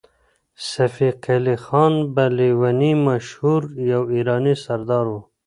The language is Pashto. صفي قلي خان په لېوني مشهور يو ایراني سردار و.